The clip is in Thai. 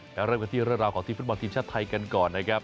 เริ่มกันที่เรื่องราวของทีมฟุตบอลทีมชาติไทยกันก่อนนะครับ